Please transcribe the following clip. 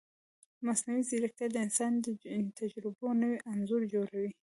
مصنوعي ځیرکتیا د انساني تجربو نوی انځور جوړوي.